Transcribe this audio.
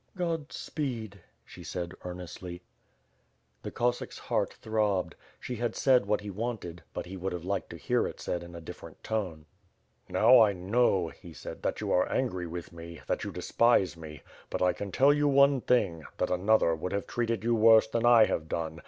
"God speed," she said earnestly. The Cossack's heart throbbed. She had said what he wanted, but he would have liked to hear it said in a different tone. "Now I know," he said, "that you are angry with me; that you despise me. But I can tell you one thing; that another would have treated you worse than I have done.